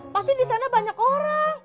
pasti di sana banyak orang